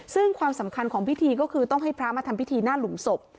ซึ่งความสำคัญของพิธีก็คือต้องให้พระมาทำพิธีหน้าหลุมศพ